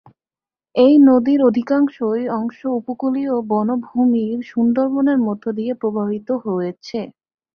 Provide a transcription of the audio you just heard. এই নদীর অধিকাংশ অংশ উপকূলীয় বনভূমি সুন্দরবনের মধ্য দিয়ে প্রবাহিত হয়েছে।